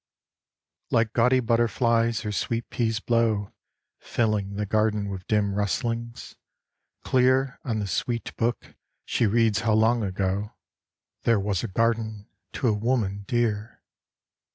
Like gaudy butterflies her sweet peas blow Filling the garden with dim rustlings. Clear On the sweet Book she reads how long ago There was a garden to a woman dear.